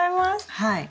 はい。